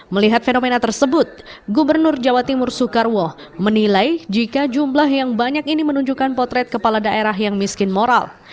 melihat fenomena tersebut gubernur jawa timur soekarwo menilai jika jumlah yang banyak ini menunjukkan potret kepala daerah yang miskin moral